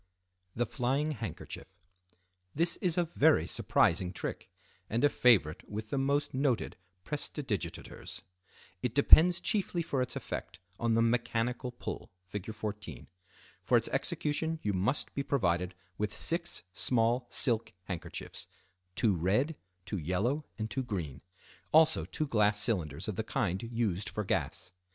The Flying Handkerchief.—This is a very surprising trick, and a favorite with the most noted prestidigitateurs. It depends chiefly for its effect on the "Mechanical Pull" (Fig. 14). For its execution you must be provided with six small silk handkerchiefs (two red, two yellow, and two green), also two glass cylinders of the kind used for gas.